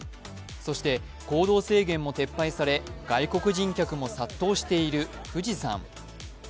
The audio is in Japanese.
そして行動制限も撤廃され外国人客も殺到している富士山。